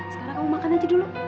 sekarang kamu makan nanti dulu